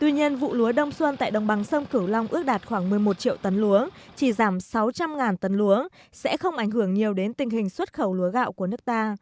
tuy nhiên vụ lúa đông xuân tại đồng bằng sông cửu long ước đạt khoảng một mươi một triệu tấn lúa chỉ giảm sáu trăm linh tấn lúa sẽ không ảnh hưởng nhiều đến tình hình xuất khẩu lúa gạo của nước ta